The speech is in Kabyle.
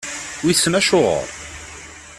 Wissen acuɣeṛ.